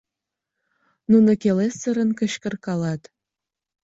Нуно келесырын кычкыркалат.